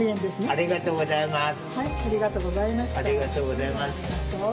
ありがとうございます。